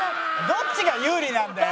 どっちが有利なんだよ！